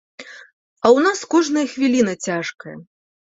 А ў нас кожная хвіліна цяжкая.